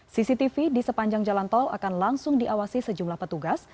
cctv di sepanjang jalan tol akan langsung diawasi sejumlah petugas